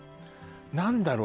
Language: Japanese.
何だろう